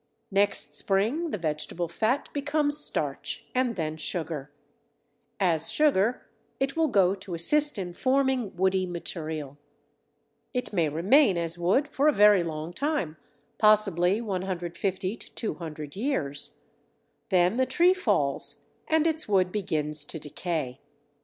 Next spring the vegetable fat becomes starch and then sugar: as sugar it will go to assist in forming woody material. It may remain as wood for a very long time, possibly 150 to 200 years: then the tree falls and its wood begins to decay.